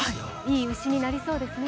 いい牛になりそうですね。